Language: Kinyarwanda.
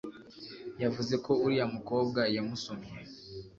Yavuze ko uriya mukobwa yamusomye